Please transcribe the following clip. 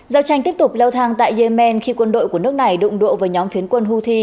giao tranh tiếp tục leo thang tại yemen khi quân đội của nước này đụng độ vào nhóm phiến quân houthi